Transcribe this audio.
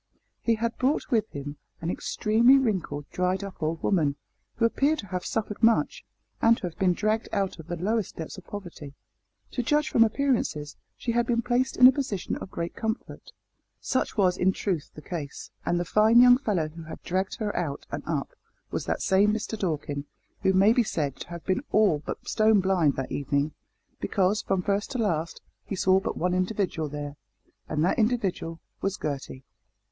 He had brought with him an extremely wrinkled, dried up old woman, who appeared to have suffered much, and to have been dragged out of the lowest depths of poverty. To judge from appearances she had been placed in a position of great comfort. Such was in truth the case, and the fine young fellow who had dragged her out and up was that same Mister Dorkin, who may be said to have been all but stone blind that evening, because, from first to last, he saw but one individual there, and that individual was Gertie.